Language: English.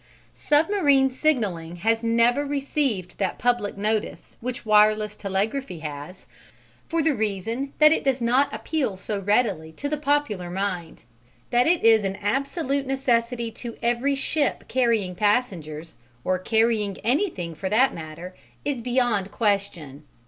Submarine signalling has never received that public notice which wireless telegraphy has, for the reason that it does not appeal so readily to the popular mind. That it is an absolute necessity to every ship carrying passengers or carrying anything, for that matter is beyond question.